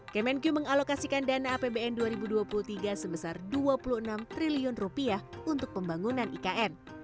kemenku mengalokasikan dana apbn dua ribu dua puluh tiga sebesar rp dua puluh enam triliun untuk pembangunan ikn